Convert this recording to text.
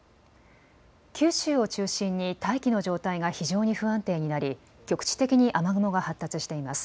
九州を中心に大気の状態が非常に不安定になり局地的に雨雲が発達しています。